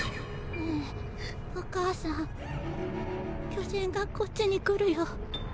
ねぇお母さん巨人がこっちに来るよ。